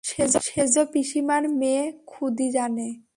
সেজোপিসিমার মেয়ে খুদি জানে।